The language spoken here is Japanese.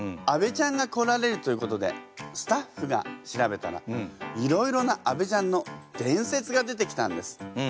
安倍ちゃんが来られるということでスタッフが調べたらいろいろな安倍ちゃんの伝説が出てきたんです。